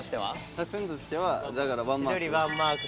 作戦としてはだからマンマーク。